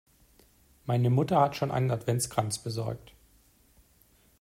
Meine Mutter hat schon einen Adventskranz besorgt.